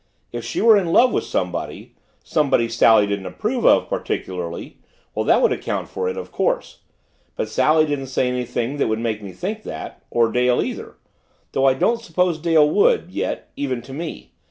If she were in love with somebody somebody Sally didn't approve of particularly well, that would account for it, of course but Sally didn't say anything that would make me think that or Dale either though I don't suppose Dale would, yet, even to me.